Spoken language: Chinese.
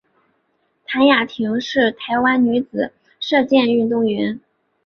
谭雅婷是台湾女子射箭运动员。